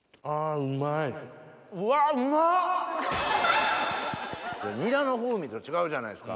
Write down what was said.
あうまい。